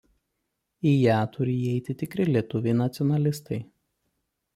Į ją turi įeiti tikri lietuviai nacionalistai.